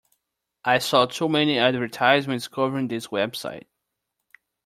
I saw too many advertisements covering this website.